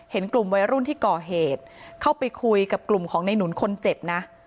เห็นกลุ่มวัยรุ่นที่ก่อเหตุเข้าไปคุยกับกลุ่มของในหนุนคนเจ็บนะ